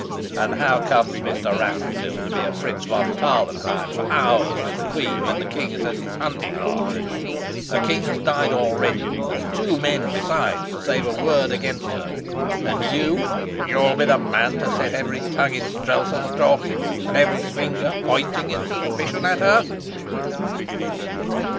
And how comes Mr. Rassendyll to be at Fritz von Tarlenheim's for hours with the queen, when the king is at his hunting lodge? A king has died already, and two men besides, to save a word against her. And you you'll be the man to set every tongue in Strelsau talking, and every finger pointing in suspicion at her?"